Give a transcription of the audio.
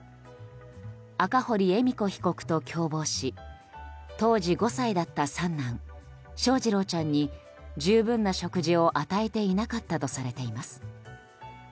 赤堀恵美子被告と共謀し当時５歳だった三男・翔士郎ちゃんに十分な食事を与えていなかったとされています。